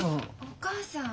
お母さん。